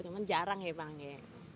cuman jarang memang ya